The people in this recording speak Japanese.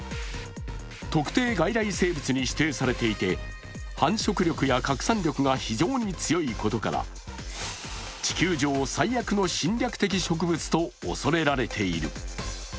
特定外来生物に指定されていて繁殖力や拡散力が非常に強いことから地球上最悪の侵略的植物と恐れられている。